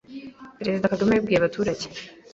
Perezida Kagame yabibwiye abaturage